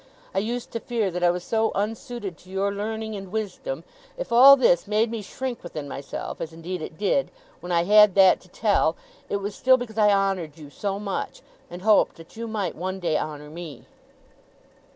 I used to fear that I was so unsuited to your learning and wisdom. If all this made me shrink within myself (as indeed it did), when I had that to tell, it was still because I honoured you so much, and hoped that you might one day honour me.